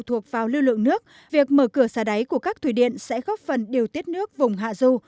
nếu thủ thuộc vào lưu lượng nước việc mở cửa xả đáy của các thủy điện sẽ góp phần điều tiết nước vùng hạ dù